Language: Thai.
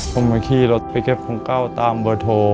ผมมาขี้รถไปเก็บของเก้าตามบทโท